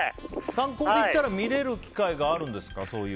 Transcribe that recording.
観光で行ったら見れる機会があるんですか。